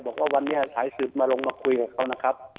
บอกว่าวันนี้สายสืบมาลงมาคุยกับเขานะครับ